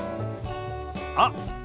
あっ！